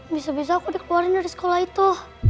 bisa bisa aku dikeluarin dari sekolah itu